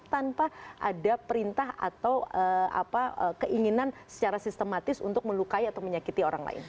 tanpa ada perintah atau keinginan secara sistematis untuk melukai atau menyakiti orang lain